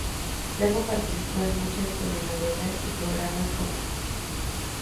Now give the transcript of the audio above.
Luego participó en muchas telenovelas y programas cómicos.